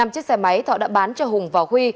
năm chiếc xe máy thọ đã bán cho hùng và huy